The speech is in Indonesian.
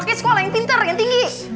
makanya sekolah yang pinter yang tinggi